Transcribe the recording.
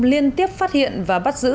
liên tiếp phát hiện và bắt giữ